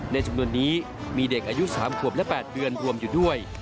ในจำนวนนี้มีเด็กอายุ๓ขวบและ๘เดือนรวมอยู่ด้วย